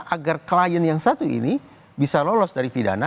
agar klien yang satu ini bisa lolos dari pidana